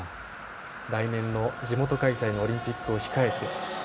来年の地元開催のオリンピックを控えて。